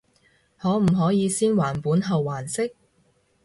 可唔可以先還本後還息？